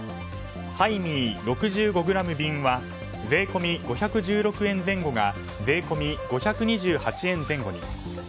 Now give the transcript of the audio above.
ハイミー６５ｇ瓶は税込み５１６円前後が税込み５２８円前後に。